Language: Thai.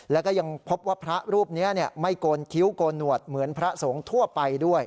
แล้วก็ยังพบว่าพระรูปนี้ไม่โกนคิ้วโกนหนวดเหมือนพระสงฆ์ทั่วไปด้วย